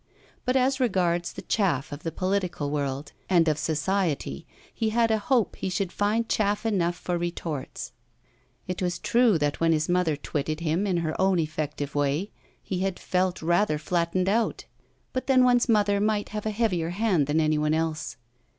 But as regards the chaff of the political world and of society he had a hope he should find chaff enough for retorts. It was true that when his mother twitted him in her own effective way he had felt rather flattened out; but then one's mother might have a heavier hand than any one else.